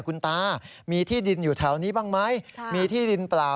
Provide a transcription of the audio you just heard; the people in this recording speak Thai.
คุณตามีที่ดินอยู่แถวนี้บ้างไหมมีที่ดินเปล่า